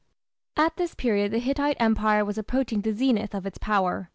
At this period the Hittite Empire was approaching the zenith of its power.